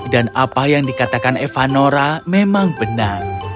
dan apa yang dikatakan evanora memang benar